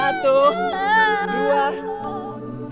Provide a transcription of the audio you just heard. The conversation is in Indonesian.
jalan jalan jalan